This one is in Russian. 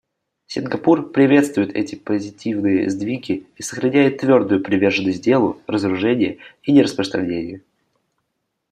Сингапур приветствует эти позитивные сдвиги и сохраняет твердую приверженность делу разоружения и нераспространения.